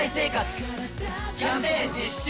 キャンペーン実施中！